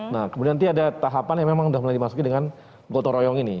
nah kemudian nanti ada tahapan yang memang sudah mulai dimasuki dengan gotong royong ini